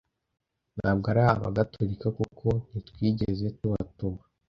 ntabwo ari Abagatulika kuko ntitwigeze tubatuma